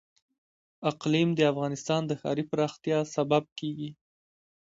اقلیم د افغانستان د ښاري پراختیا سبب کېږي.